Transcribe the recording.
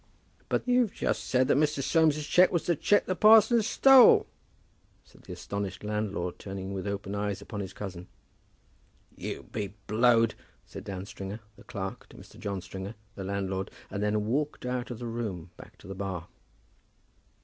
"But you've just said that Mr. Soames's cheque was the cheque the parson stole," said the astonished landlord, turning with open eyes upon his cousin. "You be blowed," said Dan Stringer, the clerk, to Mr. John Stringer, the landlord; and then walked out of the room back to the bar.